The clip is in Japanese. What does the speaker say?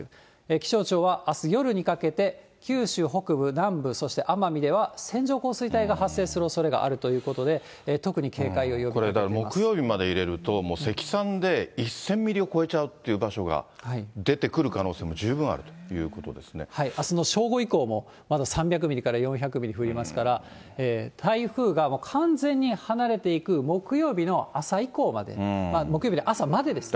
気象庁は、あす夜にかけて、九州北部、南部、そして奄美では線状降水帯が発生するおそれがあるということで、これ、だから木曜日まで入れると、もう積算で１０００ミリを超えちゃうっていう場所が出てくる可能あすの正午以降も、まだ３００ミリから４００ミリ降りますから、台風が完全に離れていく木曜日の朝以降まで、木曜日の朝までですね。